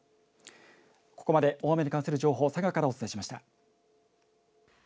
ここまで大雨に関する情報、佐賀からお伝えしました。